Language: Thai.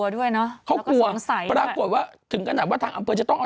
ดับวิวอะไรหรือเปล่า